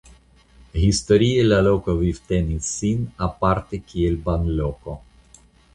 Historie la loko vivtenis sin aparte kiel banloko.